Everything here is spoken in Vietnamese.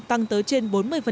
tăng tới trên bốn mươi